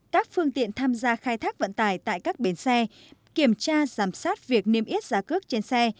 các phương tiện tham gia khai thác vận tải tại các bến xe kiểm tra giám sát việc niêm yết giá cước trên xe